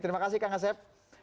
terima kasih kang hasib